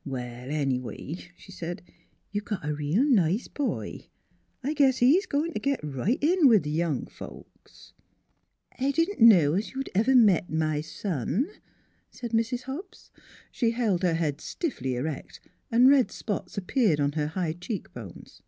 " Well, anyway," she said, " you've got a reel nice boy. I guess he's goin' t' git right in with th' young folks." " I didn't know as you'd ever met my son," said Mrs. Hobbs. She held her head stiffly erect and red spots appeared on her high cheekbones.